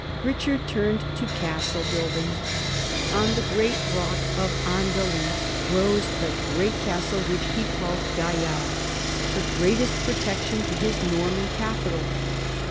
Eichard turned to castle building. On the great rock of Andely rose the great castle which he called "Gaillard," the greatest protection to his Norman capital.